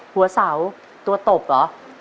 หัวเสาตัวตบเหรอ